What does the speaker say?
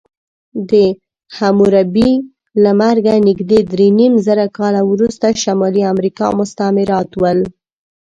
د حموربي له مرګه نږدې درېنیمزره کاله وروسته شمالي امریکا مستعمرات ول.